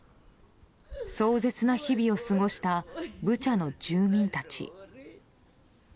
壮絶な日々を過ごしたブチャの住民たち。